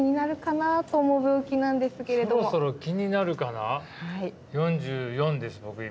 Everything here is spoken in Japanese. そろそろ気になるかな４４です僕今。